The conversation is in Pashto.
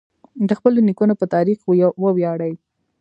د خپلو نیکونو په تاریخ وویاړئ.